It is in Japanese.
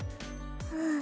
うん。